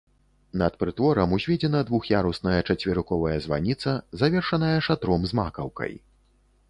Над прытворам узведзена двух'ярусная чацверыковая званіца, завершаная шатром з макаўкай.